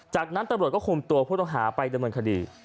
จากนั้นตลวดก็พูดตัวผู้ตัวหาไปดำเนินคดี